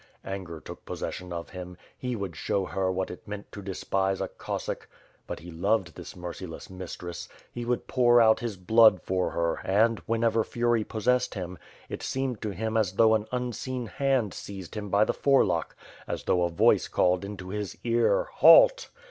Anger took possession of him. He would show her what it meant to despise a Cos sack! But he loved this merciless mistress; he would pour out his blood for her and, whenever fury possessed him, it seemed to him as though an unseen hand seized him by the forelock, as though a voice called into his ear, "Halt!"